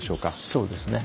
そうですね。